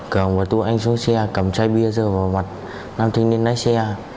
cường và tô anh xuống xe cầm chai bia rơi vào mặt nam thanh niên lái xe